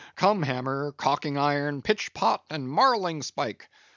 Come hammer, caulking iron, pitch pot, and marling spike!